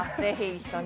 一緒に？